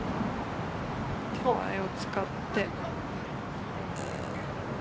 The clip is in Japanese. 手前を使って。